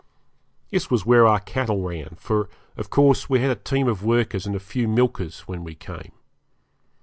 This was where our cattle ran, for, of course, we had a team of workers and a few milkers when we came.